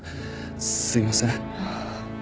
すいません。